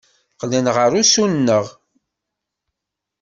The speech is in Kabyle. Qqlen ɣer ussuneɣ.